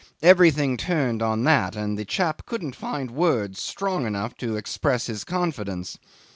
Everything turned on that, and the chap couldn't find words strong enough to express his confidence.